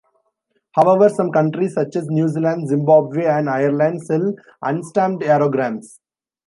However, some countries such as New Zealand, Zimbabwe and Ireland, sell unstamped aerograms.